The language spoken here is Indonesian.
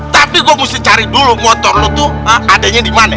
tapi gua mesti cari dulu motor lu tuh adeknya dimana